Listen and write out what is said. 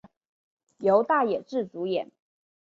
由大野智主演。